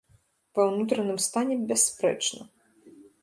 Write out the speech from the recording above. Ва ўнутраным стане бясспрэчна.